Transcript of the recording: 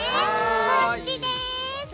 こっちです！